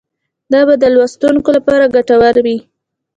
دا به د لوستونکو لپاره ګټور وي.